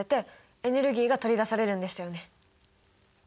エネルギーが取り出されるんでしたよね。